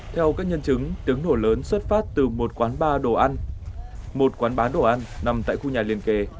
theo các nhân chứng tiếng nổ lớn xuất phát từ một quán bán đồ ăn nằm tại khu nhà liền kề